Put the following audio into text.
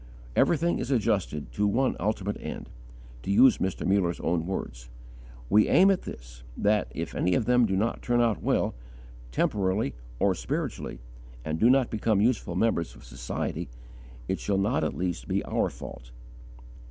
Everything is adjusted to one ultimate end; to use Mr. Muller's own words: "We aim at this: that, if any of them do not turn out well, temporally or spiritually, and do not become useful members of society, it shall not at least be our fault."